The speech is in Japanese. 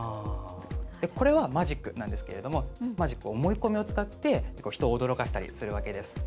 これがマジックなんですけどマジック、思い込みを使って人を驚かせたりするわけです。